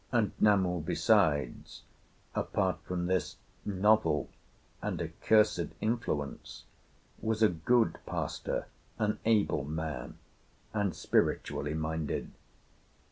And Namu besides, apart from this novel and accursed influence, was a good pastor, an able man, and spiritually minded.